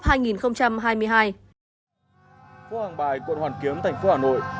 phố hàng bài quận hoàn kiếm tp hà nội